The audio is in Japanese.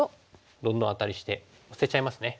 どんどんアタリしてオセちゃいますね。